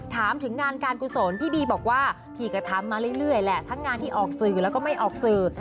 ถามถึงงานการกุศลพี่บีบอกว่าพี่ก็ทำมาเรื่อยแหละทั้งงานที่ออกสื่อแล้วก็ไม่ออกสื่อ